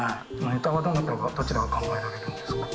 ネタはどなたがどちらが考えられるんですか？